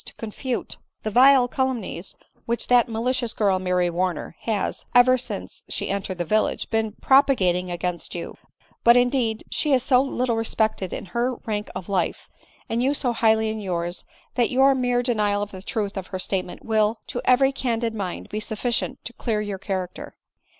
201 to confute, the vile calumnies which that malicious girl, Mary Warner, has, ever since she entered the village, been propagating against you ; but, indeed, she is so little respected in her rank of life, and you so highly in yours, that your mere denial of the truth of her statement will, to every candid mind, be sufficient to clear your character."